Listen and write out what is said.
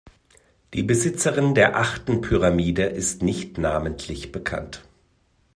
Die Besitzerin der achten Pyramide ist nicht namentlich bekannt.